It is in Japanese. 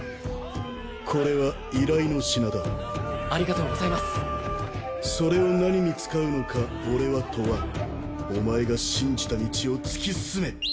これは依頼の品だありがとうございますそれを何に使うのか俺は問わんお前が信じた道を突き進め！